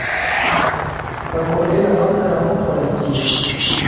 پکورې له غم سره هم خوړل کېږي